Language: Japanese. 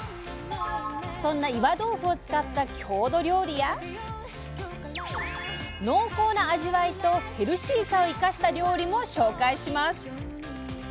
そんな岩豆腐を使った郷土料理や濃厚な味わいとヘルシーさを生かした料理も紹介します。